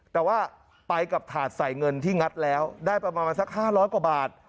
แต่ว่าไปกับถาดใส่เงินที่งัดแล้วได้ประมาณสัก๕๐๐กว่าบาท